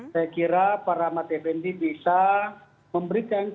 saya kira pak rahmat fnd bisa memberikan keterangan